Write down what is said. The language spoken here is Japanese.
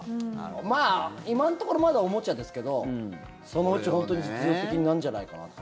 まあ、今のところまだおもちゃですけどそのうち本当に実用的になるんじゃないかなって。